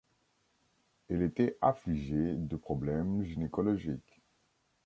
Elle était affligée de problèmes gynécologiques.